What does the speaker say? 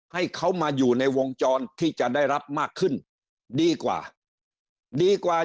ให้เขามาอยู่ในวงจรที่จะได้รับมากขึ้นดีกว่าดีกว่า